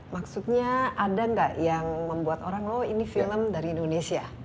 maksudnya ada nggak yang membuat orang loh ini film dari indonesia